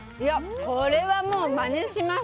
これはもうまねします！